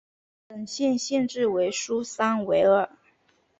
本县县治为苏珊维尔。